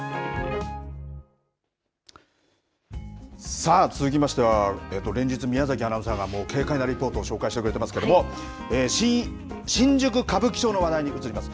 さあ続きましては連日、宮崎アナウンサーが軽快なリポートを紹介してくれてますけれども新宿、歌舞伎町の話題に移ります。